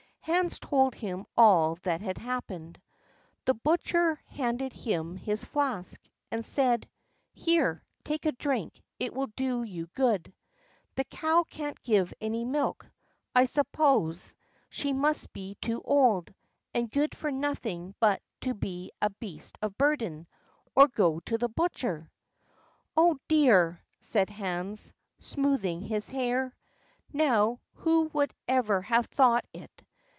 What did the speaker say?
Hans told him all that had happened. The butcher handed him his flask, and said: "Here, take a drink, it will do you good. The cow can't give any milk, I suppose; she must be too old, and good for nothing but to be a beast of burden, or go to the butcher." "Oh, dear!" said Hans, smoothing his hair. "Now who would ever have thought it!